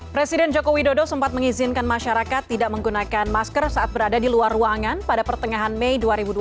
presiden joko widodo sempat mengizinkan masyarakat tidak menggunakan masker saat berada di luar ruangan pada pertengahan mei dua ribu dua puluh